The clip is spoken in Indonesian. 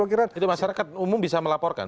itu masyarakat umum bisa melaporkan